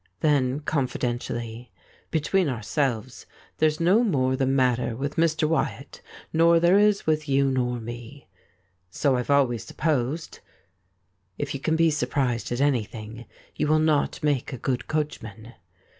Then, confidentially :' Between ourselves, there's no more the matter with Mr. Wyatt nor there is with you nor me.' 'So I've always supposed.' If you can be surprised ^^at anything you will not make a good coachman.